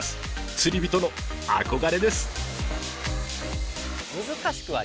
釣りびとの憧れです。